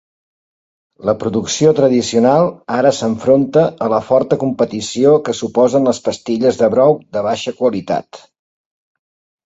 La producció tradicional ara s'enfronta a la forta competició que suposen les pastilles de brou de baixa qualitat.